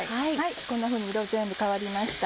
こんなふうに色全部変わりました。